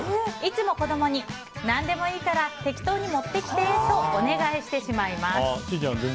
いつも子供に何でもいいから適当に持ってきてとお願いしてしまいます。